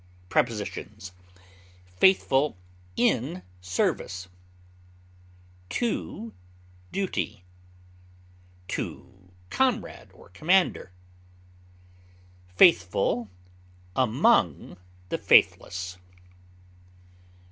Prepositions: Faithful in service; to duty; to comrade or commander; faithful among the faithless.